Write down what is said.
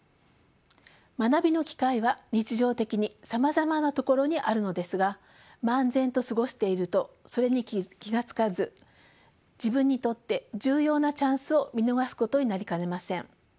学びの機会は日常的にさまざまなところにあるのですが漫然と過ごしているとそれに気が付かず自分にとって重要なチャンスを見逃すことになりかねません。